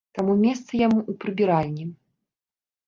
Таму месца яму ў прыбіральні.